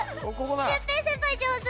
シュウペイ先輩上手！